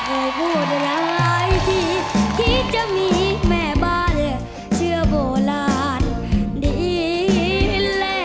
พูดหลายที่คิดจะมีแม่บ้านเชื่อโบราณดีเล่